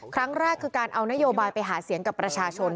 ครั้งแรกคือการเอานโยบายไปหาเสียงกับประชาชน